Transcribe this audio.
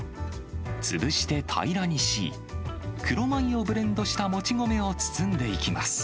潰して平らにし、黒米をブレンドしたもち米を包んでいきます。